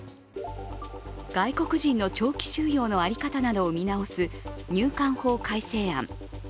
外国人の長期収容の在り方などを見直す入管法改正案。